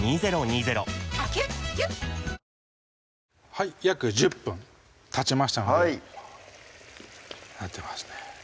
はい約１０分たちましたのでなってますね